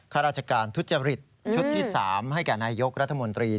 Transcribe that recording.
ข้าราชการทุจริตชุดที่๓ให้แก่นายยกรัฐมนตรี